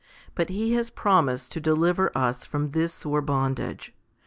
But He has promised to deliver us from this sore bondage.